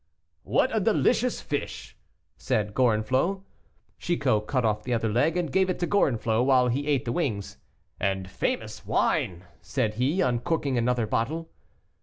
"What a delicious fish!" said Gorenflot. Chicot cut off the other leg and gave it to Gorenflot, while he ate the wings. "And famous wine," said he, uncorking another bottle.